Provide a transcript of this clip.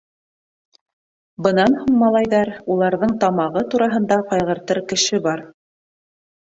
Бынан һуң малайҙар, уларҙың тамағы тураһында ҡайғыртыр кеше бар!